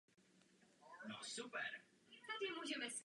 Jak můžeme dále snížit evropskou závislost na dodávkách ruské energie?